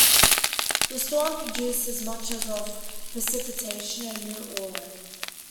The storm produced as much as of precipitation in New Orleans.